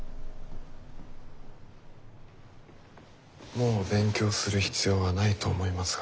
もう勉強する必要はないと思いますが。